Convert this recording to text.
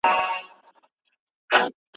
یو د بل په وینو پایو یو د بل قتلونه ستایو